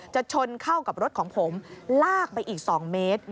ชนเข้ากับรถของผมลากไปอีก๒เมตร